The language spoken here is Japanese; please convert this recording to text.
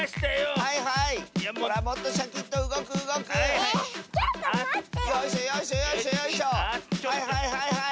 はいはいはいはいはい！